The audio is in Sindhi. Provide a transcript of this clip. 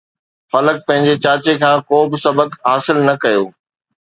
فلڪ پنهنجي چاچي کان ڪو به سبق حاصل نه ڪيو